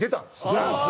フランス！